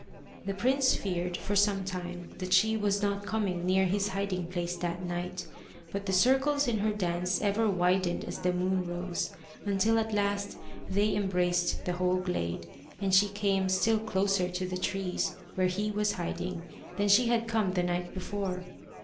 The prince feared for some time that she was not coming near his hiding place that night; but the circles in her dance ever widened as the moon rose, until at last they embraced the whole glade, and she came still closer to the trees where he was hiding than she had come the night before.